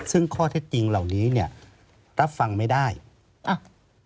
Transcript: ซึ่งข้อเท็จจริงเหล่านี้เนี่ยรับฟังไม่ได้อ้าว